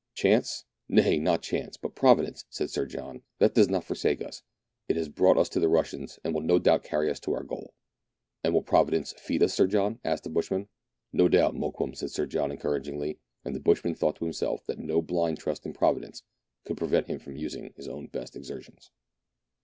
" Chance ! nay, not chance, but Providence," said Sir John. " That does not forsake us ; it has brought us to the Russians, and will no doubt carry us on to our goal." "And will Providence feed us, Sir John.?" asked the bushman. " No doubt, Mokoum," said Sir John encouragingly ; and the bushman thought to himself that no blind trust in Providence should prevent him from using his own best exertions.